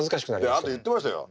あと言ってましたよ。